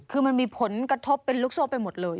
คือมันมีผลกระทบเป็นลูกโซ่ไปหมดเลย